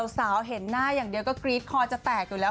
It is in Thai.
สาวเห็นหน้าอย่างเดียวก็กรี๊ดคอจะแตกอยู่แล้ว